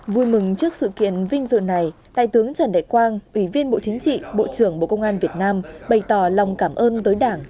vui mừng trước sự kiện vinh dự này đại tướng trần đại quang ủy viên bộ chính trị bộ trưởng bộ công an việt nam bày tỏ lòng cảm ơn tới đảng